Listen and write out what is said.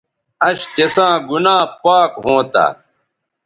اش تساں گنا پاک ھونتہ